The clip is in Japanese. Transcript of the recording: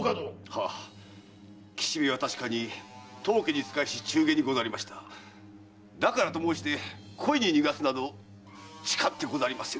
はっ吉兵衛は確かに当家に仕えし中間にござりましたがだからと申して故意に逃がすなど誓ってござりませぬ！